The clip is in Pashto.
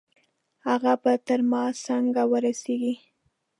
هغه به تر ما څنګه ورسېږي؟